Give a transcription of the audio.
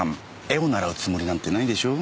絵を習うつもりなんてないでしょう？